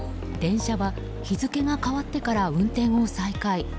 電車は日付が変わってから運転を再開。